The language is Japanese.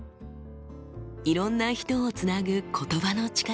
いろんな人をつなぐ言葉の力。